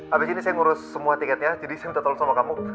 habis ini saya ngurus semua tiketnya jadi saya minta tolong sama kamu